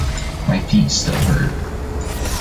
My feet still hurt.